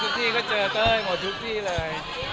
เต๋อไปทุกที่ก็เจอเต้ยหมดทุกที่เลย